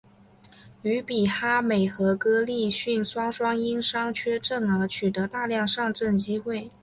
于比哈美和哥利逊双双因伤缺阵而取得大量上阵机会。